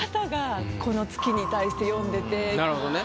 なるほどね。